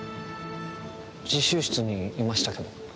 自習室にいましたけど。